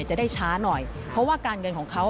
จะได้ช้าหน่อยเพราะว่าการเงินของเขา